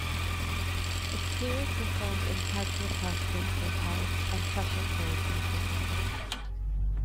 Exteriors were filmed in Cadgwith, Helston, Saint Ives and Prussia Cove in Cornwall.